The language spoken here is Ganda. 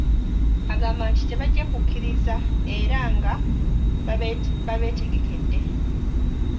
Agamba nti tebajja kukikkiriza era nga babeetegekedde.